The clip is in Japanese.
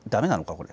これ。